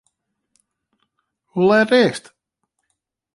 Hoe let is it?